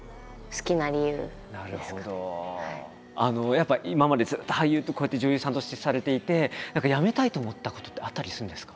やっぱり今までずっと俳優こうやって女優さんとしてされていて何かやめたいと思ったことってあったりするんですか？